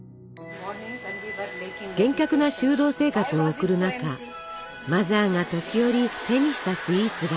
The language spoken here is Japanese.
厳格な修道生活を送る中マザーが時折手にしたスイーツがありました。